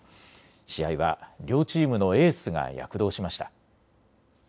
試合は両チームのエースが躍動しました。